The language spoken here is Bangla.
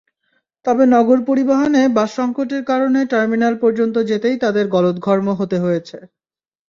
তবে নগর পরিবহনে বাসসংকটের কারণে টার্মিনাল পর্যন্ত যেতেই তাঁদের গলদঘর্ম হতে হয়েছে।